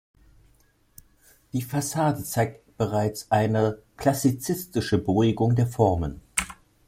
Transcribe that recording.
Die Fassade zeigt bereits eine klassizistische Beruhigung der Formen.